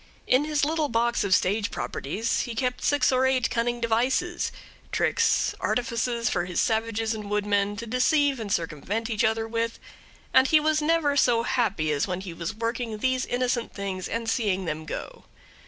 In his little box of stage properties he kept six or eight cunning devices, tricks, artifices for his savages and woodsmen to deceive and circumvent each other with, and he was never so happy as when he was working these innocent things and seeing them go.